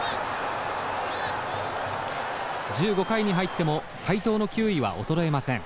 １５回に入っても斎藤の球威は衰えません。